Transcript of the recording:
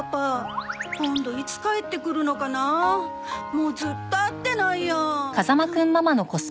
もうずっと会ってないや。